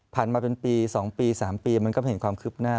มาเป็นปี๒ปี๓ปีมันก็ไม่เห็นความคืบหน้า